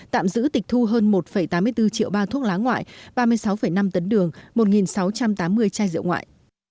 tạm giữ tịch thu hơn một tám mươi bốn triệu bao thuốc lá ngoại ba mươi sáu năm tấn đường một sáu trăm tám mươi chai rượu ngoại